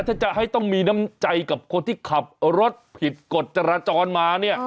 ถ้าจะให้ต้องมีน้ำใจกับคนที่ขับรถผิดกฎจราจรมาเนี่ย